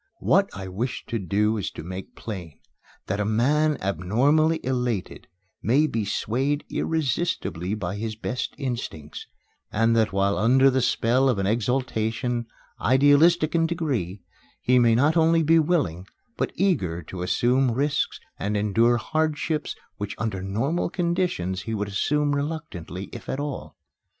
What I wish to do is to make plain that a man abnormally elated may be swayed irresistably by his best instincts, and that while under the spell of an exaltation, idealistic in degree, he may not only be willing, but eager to assume risks and endure hardships which under normal conditions he would assume reluctantly, if at all.